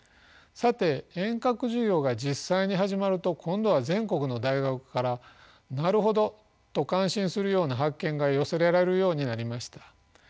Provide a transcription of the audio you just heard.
さて遠隔授業が実際に始まると今度は全国の大学からなるほどと感心するような発見が寄せられるようになりました。